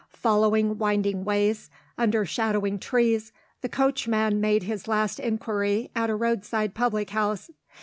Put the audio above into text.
Following winding ways, under shadowing trees, the coachman made his last inquiry at a roadside public house.